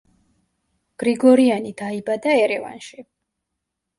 გრიგორიანი დაიბადა ერევანში.